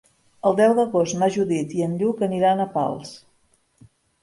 El deu d'agost na Judit i en Lluc aniran a Pals.